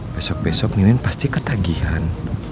besok besok nilin pasti ketagihan